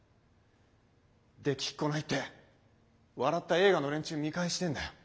できっこないって笑った映画の連中見返してえんだよ。